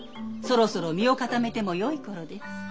そろそろ身を固めてもよい頃です。